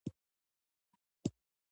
سرحدونه د افغانستان د طبیعي زیرمو برخه ده.